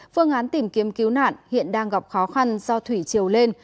phương án tìm kiếm cứu nạn hiện đang gặp khó khăn do thủy triều lên